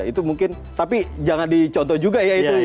itu mungkin tapi jangan dicontoh juga ya itu